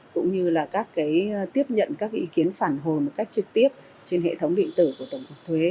cũng như là tiếp nhận các ý kiến phản hồn một cách trực tiếp trên hệ thống định tử của tổng cục thuế